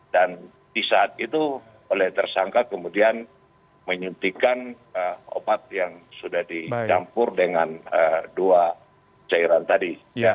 dan di saat itu oleh tersangka kemudian menyuntikkan opat yang sudah dicampur dengan dua cairan tadi